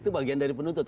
itu bagian dari penuntut